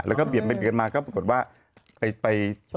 แล้วก็เปลี่ยนไปกันมาก็ปรากฏว่า